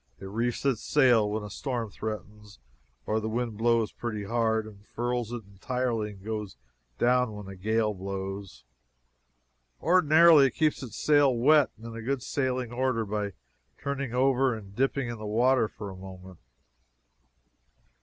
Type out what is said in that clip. It reefs its sail when a storm threatens or the wind blows pretty hard, and furls it entirely and goes down when a gale blows. Ordinarily it keeps its sail wet and in good sailing order by turning over and dipping it in the water for a moment.